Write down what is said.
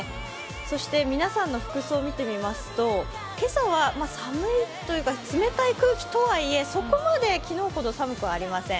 そして皆さんの服装、見てみますと今朝は寒いというか冷たい空気とはいえ、そこまで昨日ほど寒くはありません。